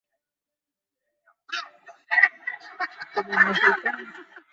La materia cósmica es todo lo que existe.